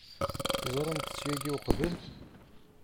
Teẓramt-tt yagi uqbel?